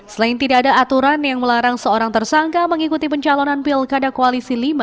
selain tidak ada aturan yang melarang seorang tersangka mengikuti pencalonan pilkada koalisi lima